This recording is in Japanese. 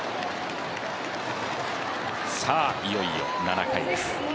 いよいよ７回です。